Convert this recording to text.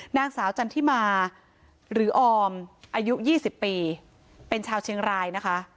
นางสาวจันทิมาหรือออมอายุ๒๐ปีเป็นชาวเชียงรายนะคะ